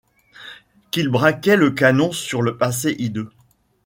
Qu'ils braquaient le canon sur le passé hideux